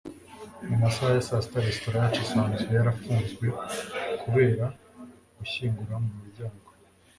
Mu masaha ya saa sita resitora yacu isanzwe yarafunzwe kubera gushyingura mumuryango